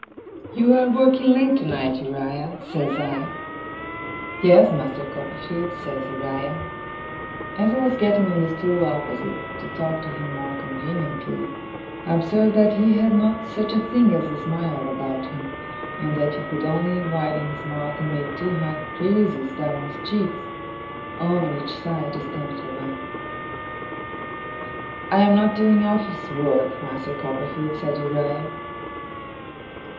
'You are working late tonight, Uriah,' says I. 'Yes, Master Copperfield,' says Uriah. As I was getting on the stool opposite, to talk to him more conveniently, I observed that he had not such a thing as a smile about him, and that he could only widen his mouth and make two hard creases down his cheeks, one on each side, to stand for one. 'I am not doing office work, Master Copperfield,' said Uriah.